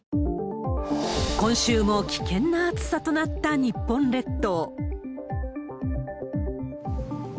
今週も危険な暑さとなった日本列島。